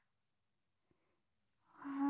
うん？